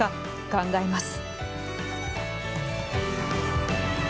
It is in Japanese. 考えます。